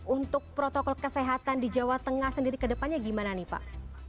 untuk protokol kesehatan di jawa tengah sendiri ke depannya gimana nih pak